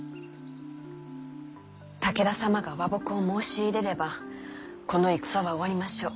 武田様が和睦を申し入れればこの戦は終わりましょう。